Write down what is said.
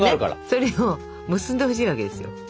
それを結んでほしいわけですよ。